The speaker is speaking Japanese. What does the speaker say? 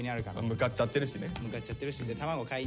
向かっちゃってるしね。